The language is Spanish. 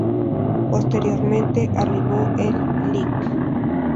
Posteriormente, arribó el Lic.